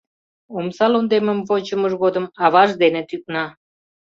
Омса лондемым вончымыж годым аваж дене тӱкна.